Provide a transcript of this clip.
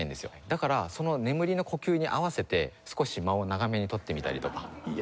だからその眠りの呼吸に合わせて少し間を長めに取ってみたりとか。